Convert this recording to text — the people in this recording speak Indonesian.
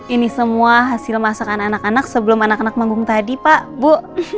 ini semua hasil masakan anak anak sebelum anak anak manggung tadi pak bu